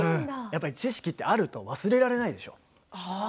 知識ってあると忘れられないでしょう。